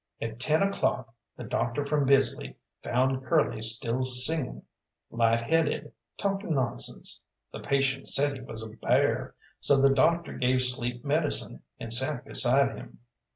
At ten o'clock the doctor from Bisley found Curly still singing, light headed, talking nonsense. The patient said he was a bear, so the doctor gave sleep medicine, and sat beside him.